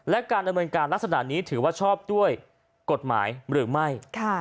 และการดำเนินการลักษณะนี้ถือว่าชอบด้วยกฎหมายหรือไม่